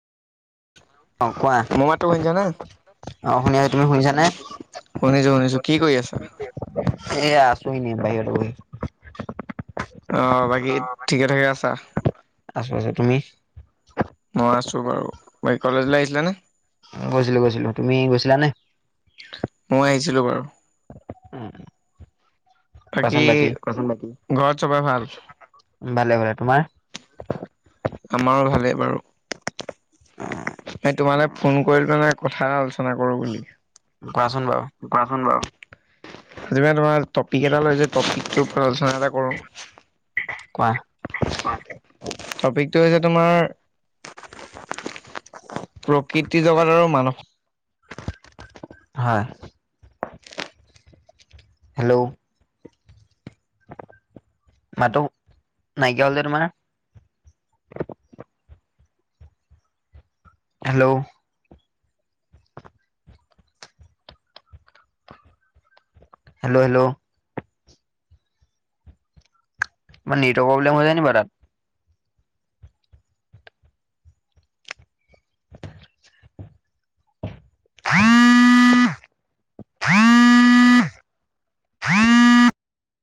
অ কোৱা মোৰ মাতটো শুনিছা নে? অ শুনি আছোঁ, তুমি শুনিছানে? শুনিছো শুনিছো কি কৰি আছা এ আছো এনেই বাহিৰত বহি অ বাকী ঠিকে থাকে আছা আছোঁ আছোঁ তুমি মই আছোঁ বাৰু ব কলেজলে আহিছিলা নে গৈছিলো গৈছিলো তুমি গৈছিলানে মই আহিছিলোঁ বাৰু উম বাকী ঘৰত চবে ভাল ভালে ভালে তোমাৰ আমাৰো ভালেই বাৰু অহ এই তোমালে ফোন কৰিলোনে কথা এটা আলোচনা কৰোঁ বুলি কোৱাচোন বাৰু কোৱাচোন বাৰু আজি মই তোমাৰ টপিক এটা লৈ যে টপিকটোৰ ওপৰত আলোচনা এটা কৰোঁ কোৱা টপিকটো হৈছে তোমাৰ, প্ৰকৃতি জগত আৰু মান হয় হেল্ল' মাতো নাইকিয়া হ'ল যে তোমাৰ হেল্ল' হেল্ল' হেল্ল' মা নেটৰ প্ৰব্লেম হৈ যায় নিকি বাৱ তাত [inaudible] [inaudible]